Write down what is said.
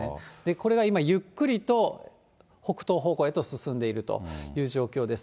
これが今、ゆっくりと北東方向へと進んでいるという状況です。